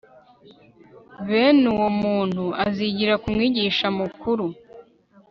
bene uwo muntu azigira ku mwigisha mukuru